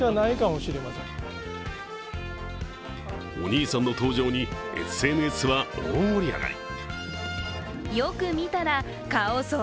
お兄さんの登場にＳＮＳは大盛り上がり。